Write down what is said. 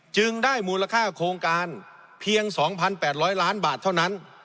จึงได้มูลค่าโครงการเพียง๒๘๐๐ล้านบาทเท่านั้น